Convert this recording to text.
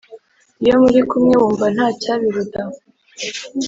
iyo muri kumwe wumva ntacyabiruta."